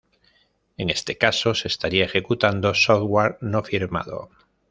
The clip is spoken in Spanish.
En este caso, se estaría ejecutando software no firmado.